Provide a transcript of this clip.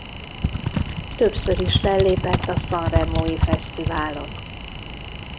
Többször is fellépett a Sanremói fesztiválon.